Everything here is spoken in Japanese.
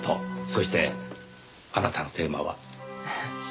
そしてあなたのテーマは？